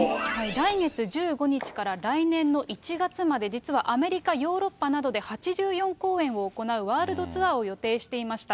来月１５日から来年の１月まで、実はアメリカ、ヨーロッパなどで８４公演を行うワールドツアーを予定していました。